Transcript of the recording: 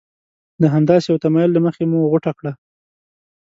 د همداسې یوه تمایل له مخې مو غوټه کړه.